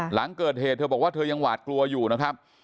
หลังเกิดเหตุเธอบอกว่าเธอยังหวาดกลัวอยู่นะครับ